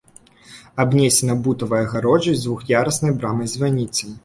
Абнесена бутавай агароджай з двух'яруснай брамай-званіцай.